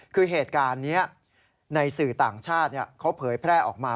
คือเหตุการณ์นี้ในสื่อต่างชาติเขาเผยแพร่ออกมา